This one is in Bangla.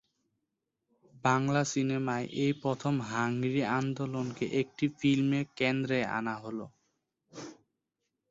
বাংলা সিনেমায় এই প্রথম হাংরি আন্দোলনকে একটি ফিল্মে কেন্দ্রে আনা হল।